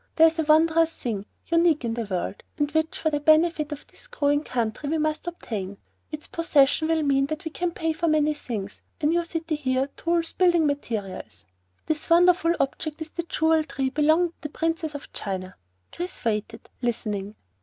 "There is a wondrous thing, unique in the world, and which, for the benefit of this growing country, we must obtain. Its possession will mean we can pay for many things a new city here, tools; building materials. This wonderful object is the Jewel Tree belonging to the Princess of China." Chris waited, listening.